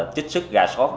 trích xuất gà sót